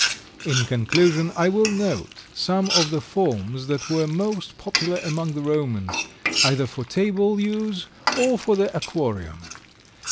In conclusion, I will note some of the forms that were most popular among the Romans, either for table use or for the aquarium.